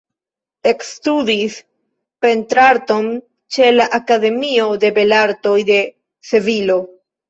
Ekstudis pentrarton ĉe la Akademio de Belartoj de Sevilo.